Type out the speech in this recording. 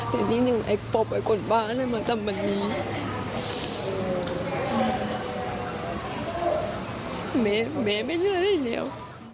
เดี๋ยวนิดนึงไอ้ปบไอ้คนบ้านมาทำแบบนี้แม้ไม่เลือดได้เดียว